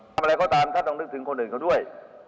ทำอะไรก็ตามท่านต้องนึกถึงคนอื่นเขาด้วย